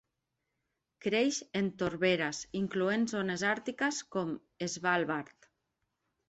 Creix en torberes incloent zones àrtiques com Svalbard.